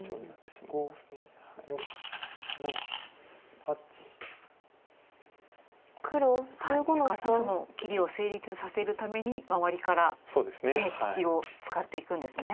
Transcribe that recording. しかしその切りを成立させるために周りから利きを使っていくんですね。